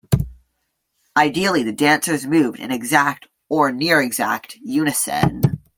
Ideally the dancers move in exact or near-exact unison.